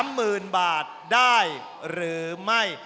หมื่นบาทได้หรือไม่